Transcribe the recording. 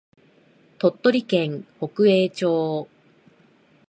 鳥取県北栄町